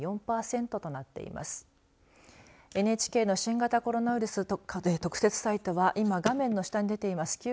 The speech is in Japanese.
ＮＨＫの新型コロナウイルス特設サイトは今、画面の下に出ています